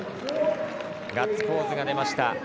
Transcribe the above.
ガッツポーズが出ました。